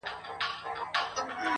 o زه ستړی، ته ناراضه.